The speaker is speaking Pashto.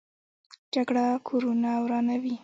جګړه کورونه ورانوي